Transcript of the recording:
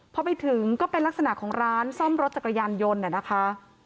พอไปถึงก็เป็นลักษณะของร้านซ่อมรถจักรยานยนต์นะคะ